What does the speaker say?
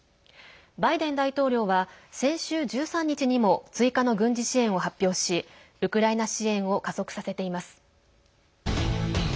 バイデン大統領は先週１３日にも追加の軍事支援を発表しウクライナ支援を加速させています。